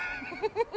フフフフ！